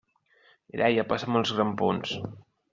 Mireia, passa'm els grampons!